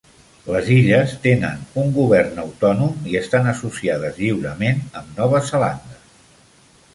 Les illes tenen un govern autònom i estan associades lliurement amb Nova Zelanda.